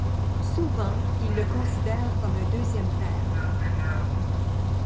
Souvent, il le considère comme un deuxième père.